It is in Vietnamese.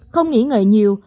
không nghĩ ngợi nhiều